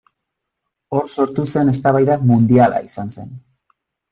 Hor sortu zen eztabaida mundiala izan zen.